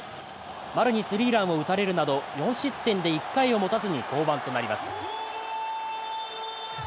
丸にスリーランを歌えるなど４失点で１回を持たずに降板となります。